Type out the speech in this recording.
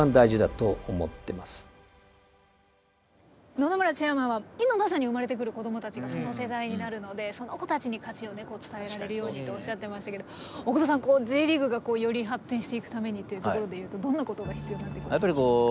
野々村チェアマンは今まさに生まれてくる子どもたちがその世代になるのでその子たちに価値を伝えられるようにとおっしゃってましたけど大久保さんＪリーグがより発展していくためにっていうところでいうとどんなことが必要になってきますか？